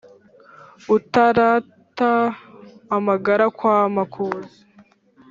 Utarata amagara kwa makuza